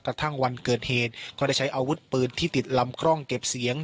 กระทั่งวันเกิดเหตุก็ได้ใช้อาวุธปืนที่ติดลำคล่องเก็บเสียง